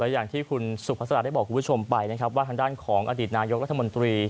อย่างที่คุณสุภาษาได้บอกคุณผู้ชมไปนะครับว่าทางด้านของอดีตนายกรัฐมนตรี